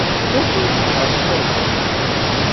D acu i tebɣa sɣur-wen?